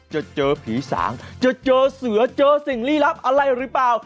จะเจอผีสางจะเจอเสือเจอสิ่งลี้ลับอะไรหรือเปล่า